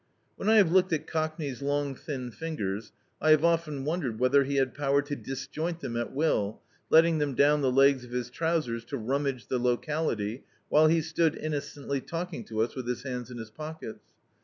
When I have looked at Cockney's long thin fingers, I have often wondered whether he had power to disjoint them at will, letting them down the legs of his trousers to rummage the locality, while he stood innocently talking to us with his hands in his pockets.